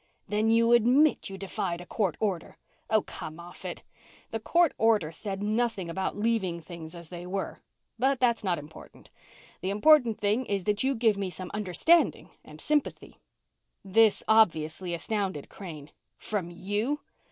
"Then you admit you defied a court order " "Oh, come off of it. The court order said nothing about leaving things as they were. But that's not important. The important thing is that you give me some understanding and sympathy." This obviously astounded Crane. "From you?